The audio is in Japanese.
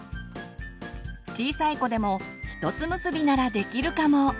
小さい子でもひとつ結びならできるかも！